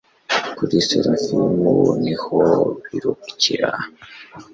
kuri serafimu niho birukira